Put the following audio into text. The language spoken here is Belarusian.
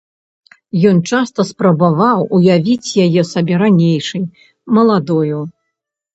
Ён часта спрабаваў уявіць яе сабе ранейшаю, маладою.